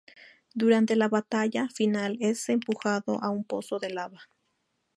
Durante la batalla final es empujado a un pozo de lava.